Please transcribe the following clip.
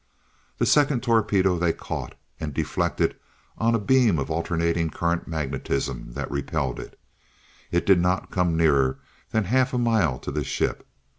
The second torpedo they caught and deflected on a beam of alternating current magnetism that repelled it. It did not come nearer than half a mile to the ship.